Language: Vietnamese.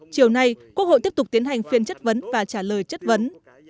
chiều nay quốc hội tiếp tục tiến hành phiên chất vấn và trả lời chất vấn